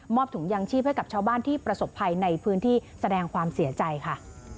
ถุงยางชีพให้กับชาวบ้านที่ประสบภัยในพื้นที่แสดงความเสียใจค่ะ